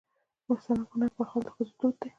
سمنک پخول د ښځو دود دی.